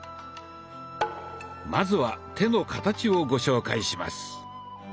まずは手の形をご紹介します。